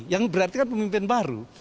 yang berarti kan pemimpin baru